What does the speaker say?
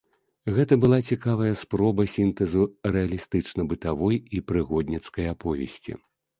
Гэта была цікавая спроба сінтэзу рэалістычна-бытавой і прыгодніцкай аповесці.